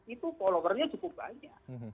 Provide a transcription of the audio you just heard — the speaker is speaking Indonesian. itu follower nya cukup banyak